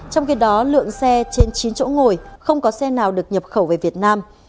trong khi đó lượng xe trên chín chỗ ngồi không có xe nào được nhập khẩu về việt nam